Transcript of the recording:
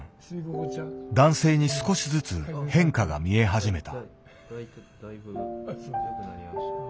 男性に少しずつ変化が見え始めた。